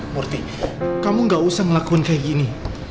murti kamu gak usah ngelakuin kayak gini